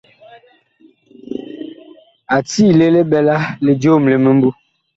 A tiile li ɓɛla li joom li mimbu.